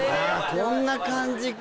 こんな感じか